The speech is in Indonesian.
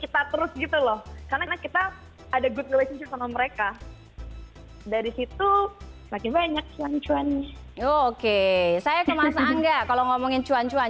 menuju ke mereka dari situ lagi banyak cuan cuan oke saya ke masa enggak kalau ngomongin cuan cuan